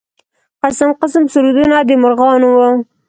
قسم قسم سرودونه د مرغانو و.